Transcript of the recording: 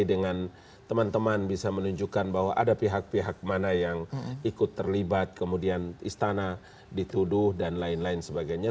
dengan teman teman bisa menunjukkan bahwa ada pihak pihak mana yang ikut terlibat kemudian istana dituduh dan lain lain sebagainya